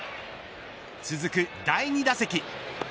続く第２打席。